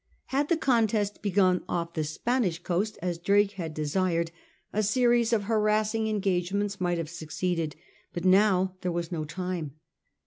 Had the contest begun off the Spanish coasts as Drake had desired, a series of harassing engagements might have succeeded; but now there was no time.